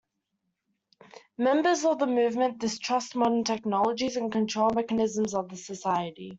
Members of the movement distrust modern technologies and control mechanisms of the society.